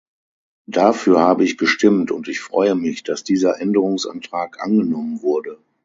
Dafür habe ich gestimmt, und ich freue mich, dass dieser Änderungsantrag angenommen wurde.